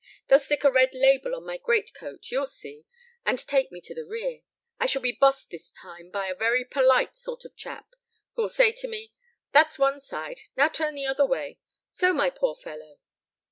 "They'll stick a red label on my greatcoat, you'll see, and take me to the rear. I shall be bossed this time by a very polite sort of chap, who'll say to me, 'That's one side, now turn the other way so, my poor fellow.'